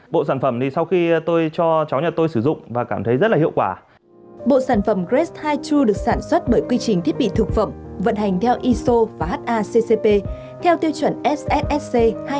bộ sản phẩm grace hai true được sản xuất bởi quy trình thiết bị thực phẩm vận hành theo iso và haccp theo tiêu chuẩn sssc hai mươi hai nghìn